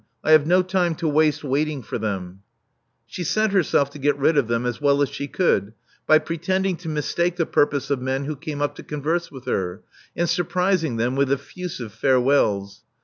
I have no time to waste waiting for them," She set herself to get rid of them as well as she could, by pretending to mistake the purpose of men who came up to converse with her, and surprising them with effusive farewells.